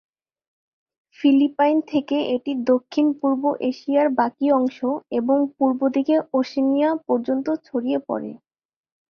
Philippine থেকে এটি দক্ষিণ পূর্ব এশিয়ার বাকী অংশ এবং পূর্ব দিকে ওশেনিয়া পর্যন্ত ছড়িয়ে পড়ে।